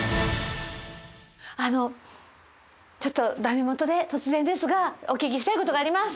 あのちょっとダメもとで突然ですがお聞きしたいことがあります。